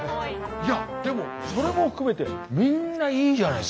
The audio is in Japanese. いやでもそれも含めてみんないいじゃないですか。